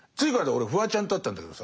俺フワちゃんと会ったんだけどさ